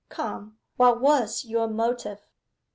Come, what was your motive?